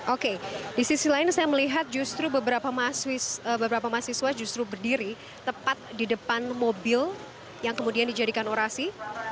oke di sisi lain saya melihat justru beberapa mahasiswa justru berdiri tepat di depan mobil yang kemudian dijadikan orasi